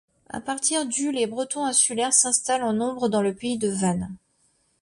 À partir du les Bretons insulaires s'installent en nombre dans le pays de Vannes.